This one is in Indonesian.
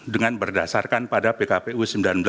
dengan berdasarkan pada pkpu sembilan belas dua ribu dua puluh tiga